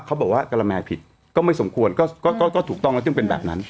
เขาบอกว่ากะละแมผิดก็ไม่สมควรก็ถูกต้องแล้วจึงเป็นแบบนั้น